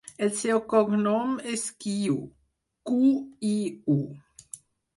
El seu cognom és Qiu: cu, i, u.